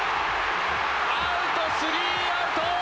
アウト、スリーアウト！